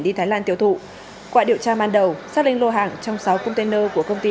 đi thái lan tiêu thụ qua điều tra ban đầu xác linh lô hàng trong sáu container của công ty